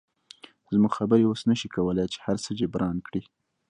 زموږ خبرې اوس نشي کولی چې هرڅه جبران کړي